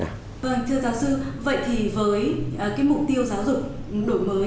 vâng thưa giáo sư vậy thì với cái mục tiêu giáo dục đổi mới